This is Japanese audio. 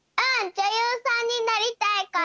じょゆうさんになりたいから！